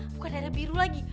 bukan darah biru lagi